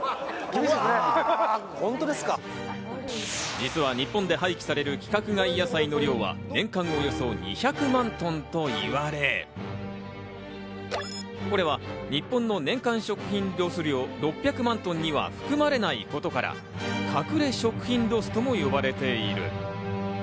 実は日本で廃棄される規格外野菜の量は年間およそ２００万トンといわれ、これは日本の年間食品ロス量６００万トンには含まれないことから、隠れ食品ロスとも呼ばれている。